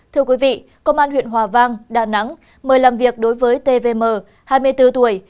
thưa quý vị công an huyện hòa vang đà nẵng mời làm việc đối với tvm hai mươi bốn tuổi